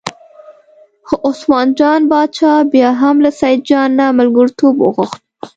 خو عثمان جان باچا بیا هم له سیدجان نه ملګرتوب وغوښت.